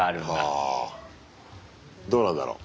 はあどうなんだろう。